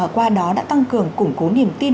qua đó đã tăng cường củng cố niềm tin